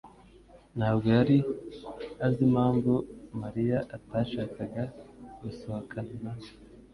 ntabwo yari azi impamvu Mariya atashakaga gusohokana nawe.